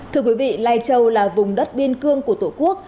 thưa quý vị lai châu là vùng đất biên cương của tổ quốc